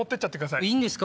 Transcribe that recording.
いいんですか？